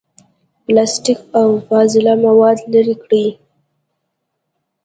پلاستیک، او فاضله مواد لرې کړي.